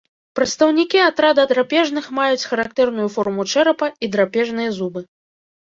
Прадстаўнікі атрада драпежных маюць характэрную форму чэрапа і драпежныя зубы.